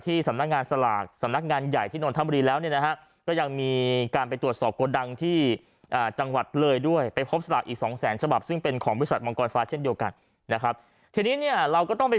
ที่สำนักงานการสลักสำนักงานใหญ่ที่